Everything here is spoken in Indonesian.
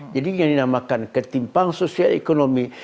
jadi yang dinamakan ketimpang sosial ekonomi